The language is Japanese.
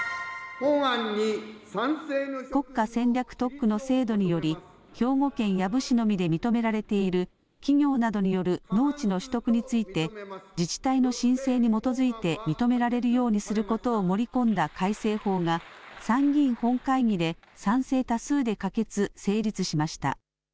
国家戦略特区の制度により兵庫県養父市のみで認められている企業などによる農地の取得について自治体の申請に基づいて認められるようにすることを盛り込んだ改正法が参議院本会議で賛成多数で可決・成立しました。